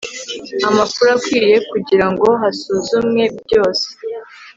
amakuru akwiye kugira ngo hasuzumwe byose